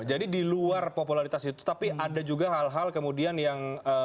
jadi di luar popularitas itu tapi ada juga hal hal kemudian yang